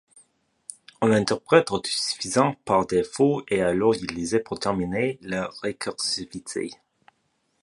Un interprète auto-suffisant par défaut est alors utilisé pour terminer la récursivité.